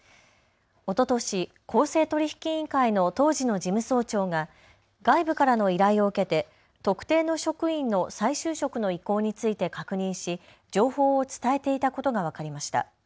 おととし公正取引委員会の当時の事務総長が外部からの依頼を受けて特定の職員の再就職の意向について確認し情報を伝えていたことが分かりました。